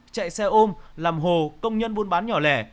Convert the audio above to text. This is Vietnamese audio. chạy xe ôm làm hồ công nhân buôn bán nhỏ lẻ